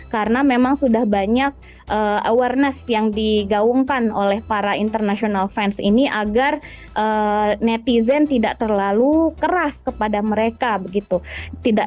karena memang sudah banyak awareness yang digaungkan oleh para international fans ini agar netizen tidak terlalu keras kepada mereka